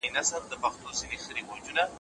که لورینه وي نو ظلم نه وي.